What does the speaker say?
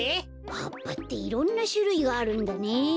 はっぱっていろんなしゅるいがあるんだね。